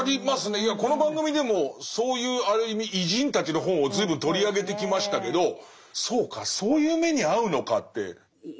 いやこの番組でもそういうある意味偉人たちの本を随分取り上げてきましたけどそうかそういう目に遭うのかって思いますよね。